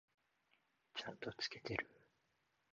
ちゃんと付けてる？